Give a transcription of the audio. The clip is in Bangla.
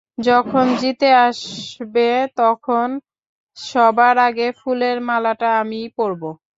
যখন জিতে আসবে তখন সবার আগে ফুলের মালাটা আমিই পরাবো।